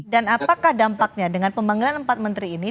dan apakah dampaknya dengan pembangunan empat menteri ini